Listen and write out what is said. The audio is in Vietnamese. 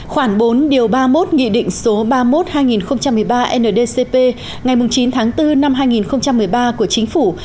khoảng bốn điều ba mươi một nghị định số ba mươi một hai nghìn một mươi ba ndcp ngày chín tháng bốn năm hai nghìn một mươi ba của chính phủ